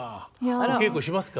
お稽古しますか？